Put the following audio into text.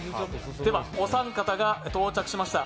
お三方が到着しました。